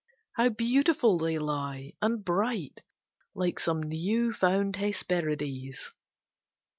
How beautiful they lie, and bright, Like some new found Hesperides!